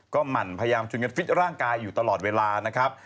ก็หมั่นพยายามช่วยกันฟิตร่างกายอยู่ตลอดเวลานะครับ